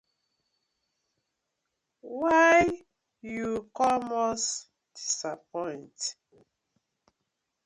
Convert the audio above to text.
Wai you come us disappoint?